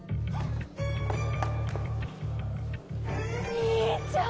兄ちゃん！